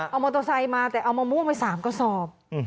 เอามอเตอร์ไซค์มาแต่เอามะม่วงไป๓กระสอบ